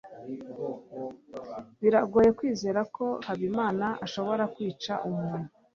biragoye kwizera ko habimana ashobora kwica umuntu